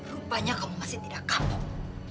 rupanya kamu masih tidak kapok